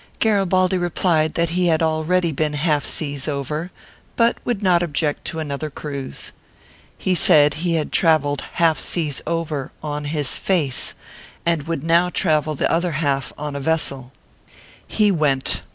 Garibaldi replied that he had already been half seas over, but would not object to another cruise. He said he had traveled half seas over, " on his face/ and would now travel the other half on a 300 ORPHEUS C. KERR PAPERS. vessel. He went.